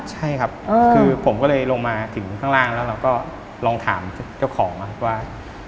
ใช่ครับคือผมก็เลยลงมาถึงข้างล่างแล้วเราก็ลองถามเจ้าของนะครับว่า